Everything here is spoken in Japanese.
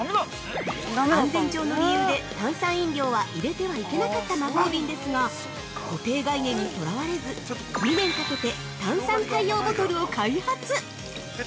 安全上の理由で炭酸飲料は入れてはいけなかった魔法瓶ですが固定概念にとらわれず２年かけて炭酸対応ボトルを開発。